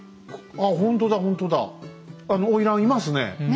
あの花魁いますね。